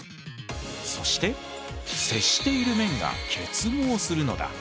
そして接している面が結合するのだ。